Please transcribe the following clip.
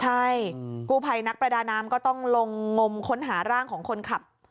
ใช่กู้ภัยนักประดาน้ำก็ต้องลงงมค้นหาร่างของคนขับ